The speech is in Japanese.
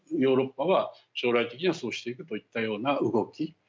ヨーロッパは将来的にはそうしていくといったような動き。